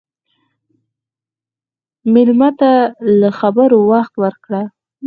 مېلمه ته له خبرو وخت ورکړه.